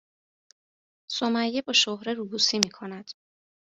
سمیه با شهره روبوسی میکند